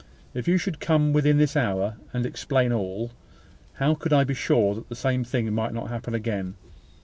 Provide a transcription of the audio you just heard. If you should come within this hour and explain all, how could I be sure that the same thing might not happen again?